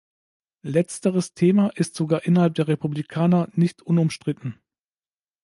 Letzteres Thema ist sogar innerhalb der Republikaner nicht unumstritten.